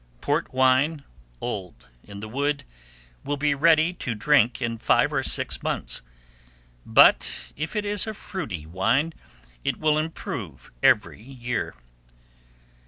Port wine, old in the wood, will be ready to drink in five or six months; but if it is a fruity wine, it will improve every year.